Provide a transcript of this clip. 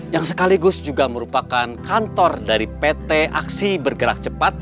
yang sekaligus juga merupakan kantor dari pt aksi bergerak cepat